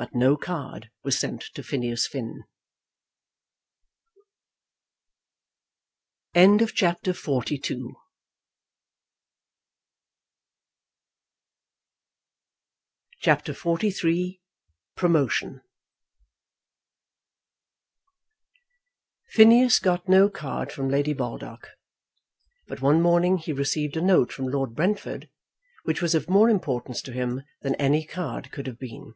But no card was sent to Phineas Finn. CHAPTER XLIII Promotion Phineas got no card from Lady Baldock, but one morning he received a note from Lord Brentford which was of more importance to him than any card could have been.